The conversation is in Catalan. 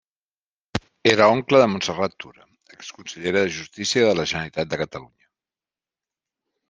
Era oncle de Montserrat Tura, exconsellera de Justícia de la Generalitat de Catalunya.